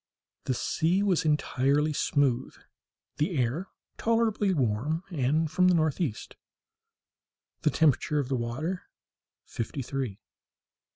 The sea was entirely smooth, the air tolerably warm and from the northeast, the temperature of the water fifty three.